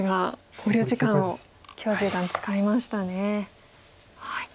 考慮時間を許十段使いましたね。